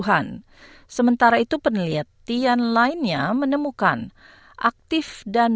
tiga puluh hari bagi pemberian perubahan